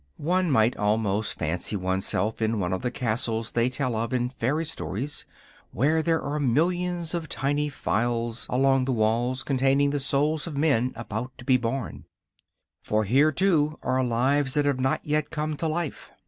One might almost fancy oneself in one of the castles they tell of in fairy stories, where there are millions of tiny phials along the walls containing the souls of men about to be born. For here, too, are lives that have not yet come to life.